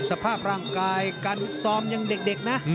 สภาพร่างกายการอุดสอบเด็กนะ